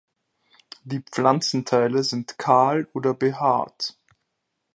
Die Pflanzenteile sind kahl oder behaart.